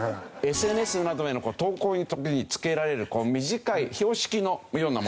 ＳＮＳなどへの投稿の時に付けられる短い標識のようなもの。